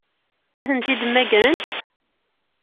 Ad tent-id-mmagrent?